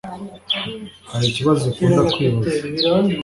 Hari ikibazo ukunda kwibaza